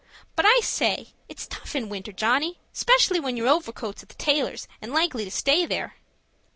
But I say, it's tough in winter, Johnny, 'specially when your overcoat's at the tailor's, an' likely to stay there."